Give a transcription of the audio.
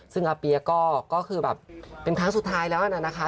ซึ่งอาเปี๊ยกก็คือแบบเป็นครั้งสุดท้ายแล้วนะคะ